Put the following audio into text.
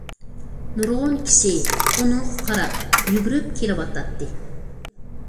نۇرغۇن كىشى ئۇنىڭغا قاراپ يۈگۈرۈپ كېلىۋاتاتتى.